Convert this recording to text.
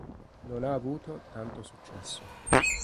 Non ha avuto tanto successo.